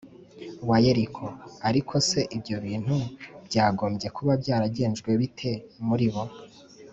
wa Yeriko Ariko se ibyo bintu byagombye kuba byaragenjwe bite muri bo